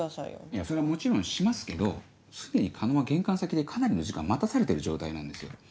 いやもちろんしますけど既に狩野は玄関先でかなりの時間待たされてる状態なんですよ。